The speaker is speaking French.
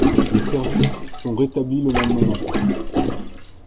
Les services sont rétablis le lendemain matin.